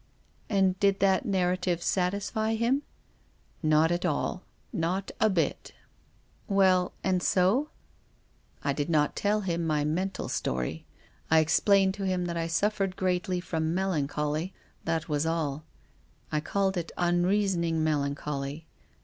" And did that narrative satisfy him? " Not at all. Not a bit." 68 TONGUES OF CONSCIENCE. '• Well— and so ?"*' I did not tell him my mental story. I ex plained to him that I suffered greatly from melan choly. That was all, I called it unreasoning mel ancholy.